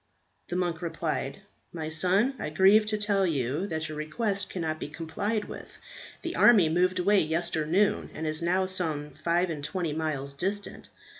The monk replied, "My son, I grieve to tell you that your request cannot be complied with. The army moved away yesternoon, and is now some five and twenty miles distant.